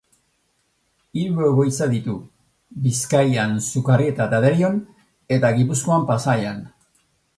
Hiru egoitza ditu: Bizkaian Sukarrieta eta Derion eta Gipuzkoan Pasaian.